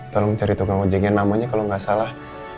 tolong cari tukang ojek yang namanya kalau nggak salah